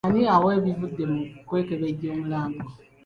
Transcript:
Ani awa ebivudde mu kwekebejja omulambo?